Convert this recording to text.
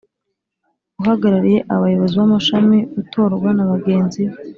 Uhagarariye Abayobozi b Amashami utorwa na bagenzi be